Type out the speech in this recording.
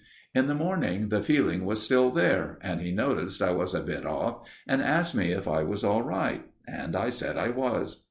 In the morning the feeling was still there, and he noticed I was a bit off and asked me if I was all right, and I said I was.